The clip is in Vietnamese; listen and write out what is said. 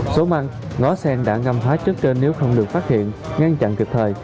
số măng ngó sen đã ngâm hóa trước trên nếu không được phát hiện ngăn chặn kịp thời